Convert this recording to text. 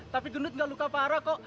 tapi gendut gak luka parah kok